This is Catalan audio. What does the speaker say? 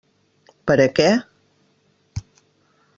Per a què?